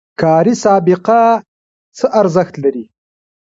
کاري سابقه څه ارزښت لري؟